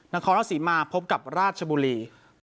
นางคอรัสสีมาพบกับราชบุรี